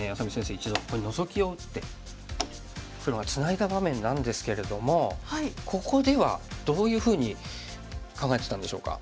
一度ここにノゾキを打って黒がツナいだ場面なんですけれどもここではどういうふうに考えていたんでしょうか？